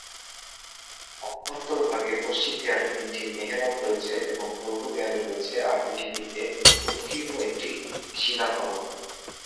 অভ্যন্তরভাগে পশ্চিম দেয়ালে তিনটি মেহরাব রয়েছে আর পূর্ব দেয়ালে রয়েছে আরবি লিপিতে উৎকীর্ণ একটি শিলাফলক।